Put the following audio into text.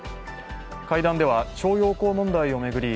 会談では徴用工問題を巡り